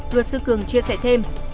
luật sư cường chia sẻ thêm